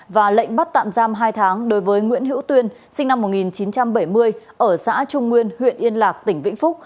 và lệnh bắt tạm giam hai tháng đối với nguyễn hữu tuyên sinh năm một nghìn chín trăm bảy mươi ở xã trung nguyên huyện yên lạc tỉnh vĩnh phúc